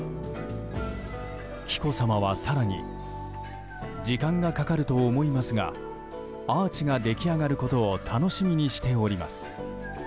紀子さまは更に時間がかかると思いますがアーチが出来上がることを楽しみにしております。